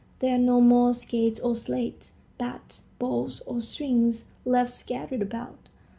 There are no more skates or sleds, bats, balls, or strings left scattered about.